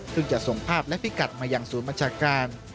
ซึ่งจะส่งภาพและพิกัดมายังศูนย์บัญชาการ